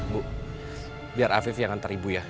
bu biar afif yang ngantar ibu ya